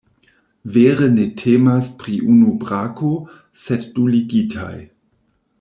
Vere ne temas pri unu brako, sed du ligitaj.